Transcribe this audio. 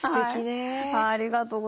ありがとうございます。